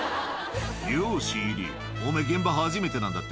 「よう新入りおめぇ現場初めてなんだって？」